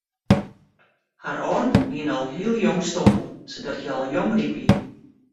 Har âlden wiene al heel jong stoarn sadat hja al jong ryk wie.